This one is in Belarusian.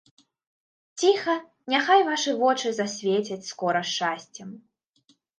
Ціха, няхай вашы вочы засвецяць скора шчасцем.